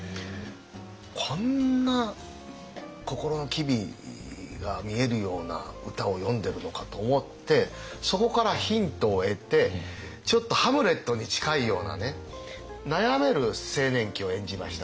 こんな心の機微が見えるような歌を詠んでるのかと思ってそこからヒントを得てちょっとハムレットに近いようなね悩める青年期を演じました。